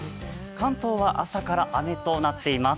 関東は朝から雨となっています。